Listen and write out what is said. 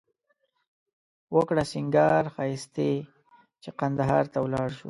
وکړه سینگار ښایښتې چې قندهار ته ولاړ شو